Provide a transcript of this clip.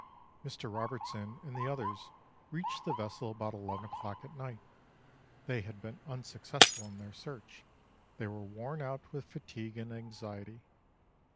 Mr. Robertson and the others reached the vessel about eleven o'clock at night ; they had been unsuc cessful in their search ; they were worn out with fatigue and anxiety.